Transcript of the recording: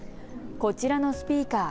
こちらのスピーカー。